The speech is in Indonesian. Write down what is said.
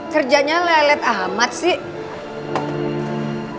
kerjanya lelet amat sih